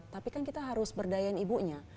tapi kan kita harus berdayain ibunya